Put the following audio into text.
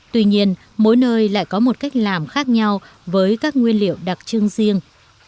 tuy nhiên mỗi nơi lại có một cách làm khác nhau với các nguyên liệu đặc trưng riêng